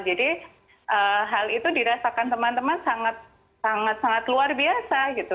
jadi hal itu dirasakan teman teman sangat sangat sangat luar biasa gitu